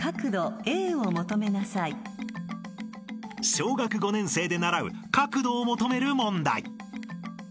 ［小学５年生で習う角度を求める問題］